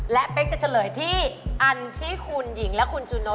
และเป๊กจะเฉลยที่อันที่คุณหญิงและคุณจูโน